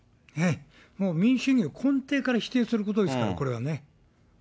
もう民主主義を根底から否定することですから、これはね。